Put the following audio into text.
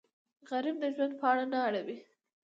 غریب د ژوند پاڼه نه اړوي